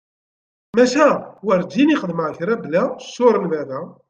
Maca! Werǧin i xdimeɣ kra bla ccur n baba.